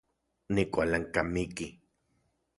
Nikualankamiki